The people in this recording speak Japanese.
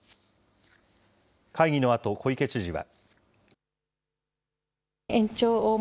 会議のあと小池知事は。